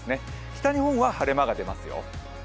北日本は晴れ間が出ますよ。